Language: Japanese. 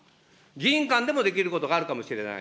議員間でもできることがあるかもしれない。